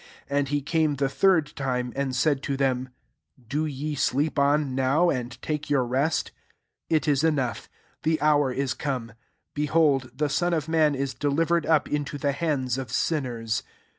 41 And he came the third time, and said to them, " Do ye sleep on now, and take your rest ? It is enough : the hour is come: behold, the Son of man is delivered up into the hands of sinners.